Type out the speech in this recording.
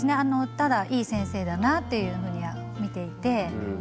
ただいい先生だなっていうふうには見ていてはい。